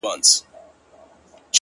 ها دی سلام يې وکړ ـ